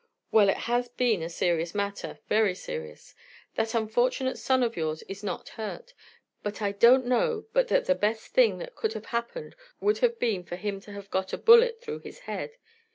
"Well, it has been a serious matter very serious. That unfortunate son of yours is not hurt, but I don't know but that the best thing that could have happened would have been for him to have got a bullet through his head.